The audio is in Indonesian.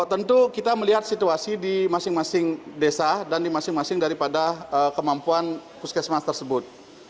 tentu kita melihat situasi di masing masing desa dan di masing masing daripada kemampuan puskesmas tersebut